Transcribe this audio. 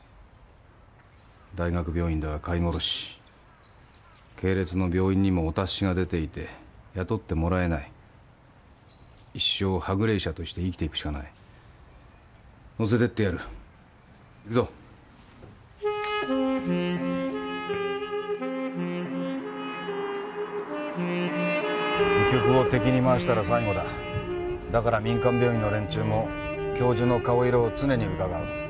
大学病院では飼い殺し系列の病院にもお達しが出ていて雇ってもらえない一生はぐれ医者として生きていくしかない乗せてってやる行くぞ医局を敵に回したら最後だだから民間病院の連中も教授の顔色を常にうかがう